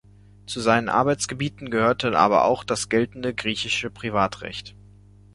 Zu seinen Arbeitsgebieten gehörte aber auch das geltende griechische Privatrecht.